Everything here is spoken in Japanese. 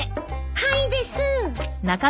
はいです。